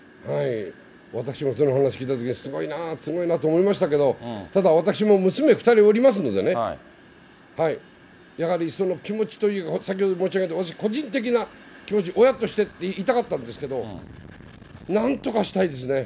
私もその話聞いたときにすごいなあ、すごいなあと思いましたけど、ただ、私も娘２人おりますのでね、やはりその気持ちという、先ほど申し上げたように個人的な気持ち、親として言いたかったんですけれども、なんとかしたいですね。